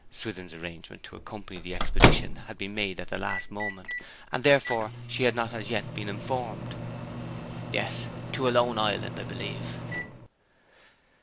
(Swithin's arrangement to accompany the expedition had been made at the last moment, and therefore she had not as yet been informed.) 'Yes, to a lone island, I believe.'